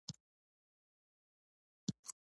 شتمن خلک د مال غرور نه لري.